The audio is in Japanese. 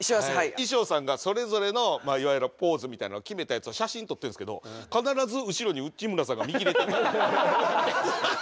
衣装さんがそれぞれのいわゆるポーズみたいなの決めたやつを写真撮ってるんですけど必ず後ろに内村さんが見切れてて。